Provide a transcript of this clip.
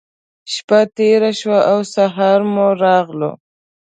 شپّه تېره شوه او سهار مو راغلو.